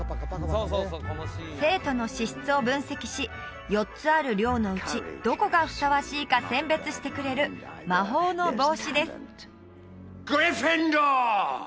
生徒の資質を分析し４つある寮のうちどこがふさわしいか選別してくれる魔法の帽子です